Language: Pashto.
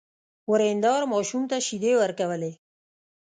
ورېندار ماشوم ته شيدې ورکولې.